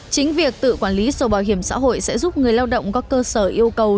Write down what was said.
chính việc tự quản lý sổ bảo hiểm xã hội sẽ giúp người lao động có cơ sở yêu cầu